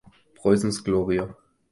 Preußens Gloria.